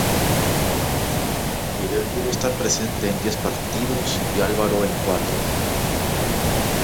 Miguel pudo estar presente en diez partidos y Álvaro en cuatro.